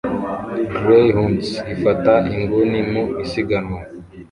Greyhounds ifata inguni mu isiganwa